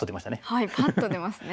はいパッと出ますね。